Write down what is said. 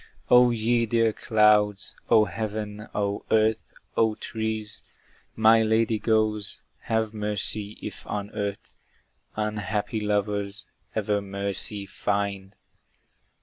O ye dear clouds! O heaven! O earth! O trees! My lady goes! Have mercy, if on earth Unhappy lovers ever mercy find!